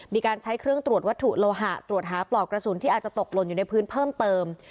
มีการใช้เครื่องตรวจวัตถุโลหะตรวจหาปลอกกระสุนที่อาจจะตกหล่นอยู่ในพื้นเพิ่มเติม